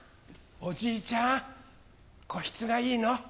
おじいちゃん個室がいいの？